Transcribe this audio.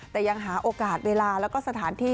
แต่ยังหาโอกาสเวลาแล้วก็สถานที่